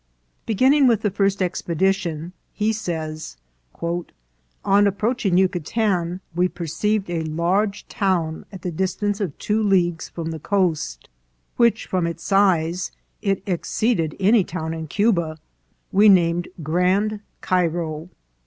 Beginning with the first expedition, he says, " On approaching Yucatan, we perceived a large town at the distance of two leagues from the coast, which, from its size, it exceeding any town in Cuba, we named Grand Cairo."